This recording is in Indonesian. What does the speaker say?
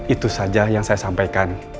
itu saja yang saya sampaikan